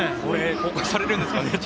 公開されるんですかね。